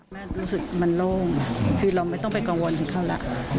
รู้สึกมันโล่งคือเราไม่ต้องไปกังวลถึงเขาแล้ว